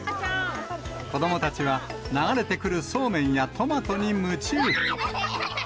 子どもたちは流れてくるそうめんやトマトに夢中。